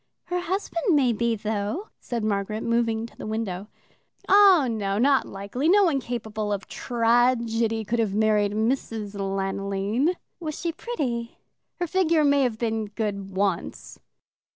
"Her husband may be, though," said Margaret, moving to the window. "Oh, no, not likely. No one capable of tragedy could have married Mrs. Lanoline." "Was she pretty?" "Her figure may have been good once."